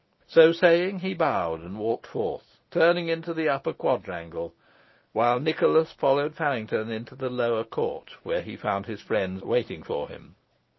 So saying, he bowed and walked forth, turning into the upper quadrangle, while Nicholas followed Faryngton into the lower court, where he found his friends waiting for him.